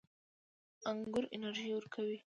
انګور انرژي ورکوي